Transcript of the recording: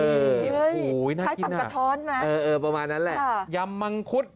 มารบินมาทำกระท้อนประมาณนั้นแหละยำมังคุท